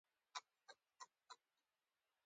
انا د الله رضا غواړي